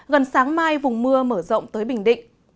gần sáng mai vùng mưa mở rộng tới bình định